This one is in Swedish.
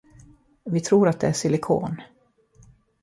Vi tror att det är silikon.